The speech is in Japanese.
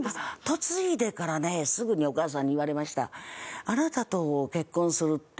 嫁いでからねすぐにお義母さんに言われました。